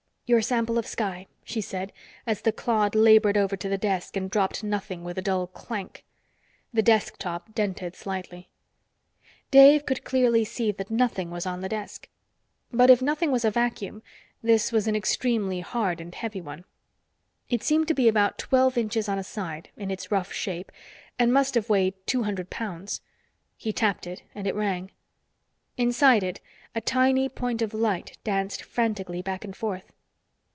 "Your sample of sky," she said as the clod labored over to the desk and dropped nothing with a dull clank. The desk top dented slightly. Dave could clearly see that nothing was on the desk. But if nothing was a vacuum, this was an extremely hard and heavy one. It seemed to be about twelve inches on a side, in its rough shape, and must have weighed two hundred pounds. He tapped it, and it rang. Inside it, a tiny point of light danced frantically back and forth.